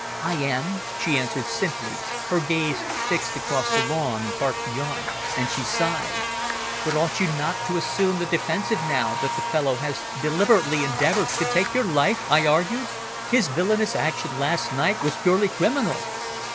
"I am," she answered simply, her gaze fixed across the lawn and park beyond, and she sighed. "But ought you not to assume the defensive now that the fellow has deliberately endeavoured to take your life?" I argued. "His villainous action last night was purely criminal!"